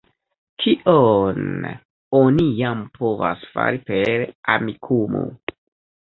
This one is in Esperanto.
Kion oni jam povas fari per Amikumu?